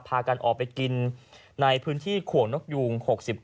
พากันออกไปกินในพื้นที่ขวงนกยูง๖๙